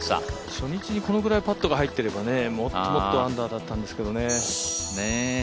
初日にこれぐらいパットが入ってればもっともっとアンダーだったんだけどね。